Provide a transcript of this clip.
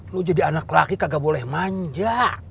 lu jadi anak laki kagak boleh manja